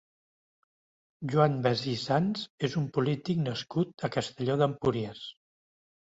Joan Basí Sanz és un polític nascut a Castelló d'Empúries.